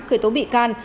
khởi tố bị can